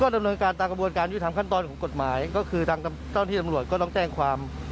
ดำเนินการตามกระบวนการยุทธรรมขั้นตอนของกฎหมายก็คือทางเจ้าที่ตำรวจก็ต้องแจ้งความ